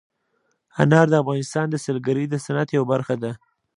انار د افغانستان د سیلګرۍ د صنعت یوه برخه ده.